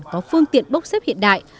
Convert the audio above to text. có phương tiện bốc xếp hiện đại